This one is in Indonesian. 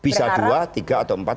bisa dua tiga atau empat